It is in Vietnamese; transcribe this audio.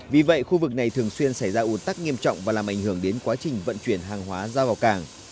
vì vậy khu vực này thường xuyên xảy ra ủn tắc nghiêm trọng và làm ảnh hưởng đến quá trình vận chuyển hàng hóa ra vào cảng